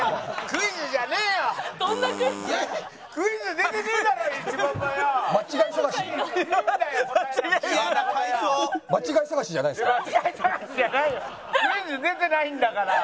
クイズ出てないんだから。